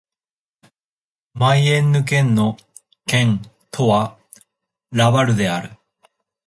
マイエンヌ県の県都はラヴァルである